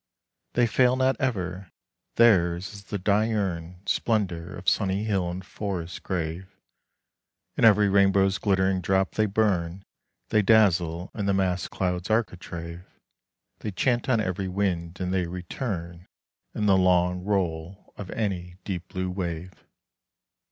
They fail not ever; theirs is the diurn Splendour of sunny hill and forest grave; In every rainbow's glittering drop they burn; They dazzle in the massed clouds' architrave; They chant on every wind, and they return In the long roll of any deep blue wave.